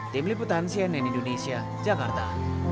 tim liputan cnn indonesia jakarta